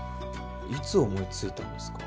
いつ思いついたんですか？